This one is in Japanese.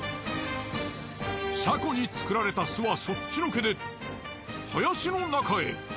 車庫に作られた巣はそっちのけで林の中へ。